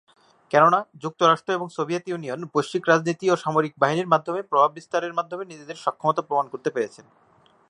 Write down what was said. কেননা, যুক্তরাষ্ট্র এবং সোভিয়েত ইউনিয়ন বৈশ্বিক রাজনীতি ও সামরিক বাহিনীর মাধ্যমে প্রভাব বিস্তারের মাধ্যমে নিজেদের সক্ষমতা প্রমাণ করতে পেরেছে।